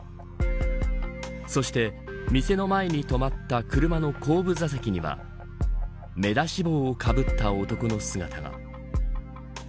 そして、店の前に止まった車の後部座席には目出し帽をかぶった男の姿が。